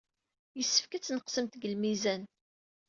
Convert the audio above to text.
Yessefk ad tneqsemt deg lmizan.